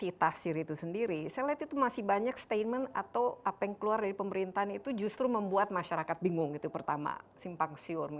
yang penting adalah berapa perusahaan sudah rainbow tersebut